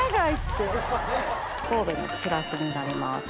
神戸のしらすになります。